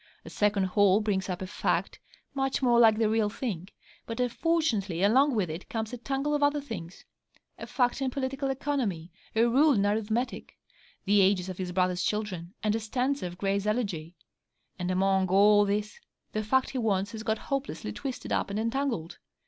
A second haul brings up a fact much more like the real thing, but, unfortunately, along with it comes a tangle of other things a fact in political economy, a rule in arithmetic, the ages of his brother's children, and a stanza of Gray's 'Elegy,' and among all these, the fact he wants has got hopelessly twisted up and entangled.